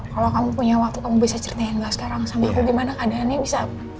kalau kamu punya waktu kamu bisa ceritain gak sekarang sama aku gimana keadaannya bisa apa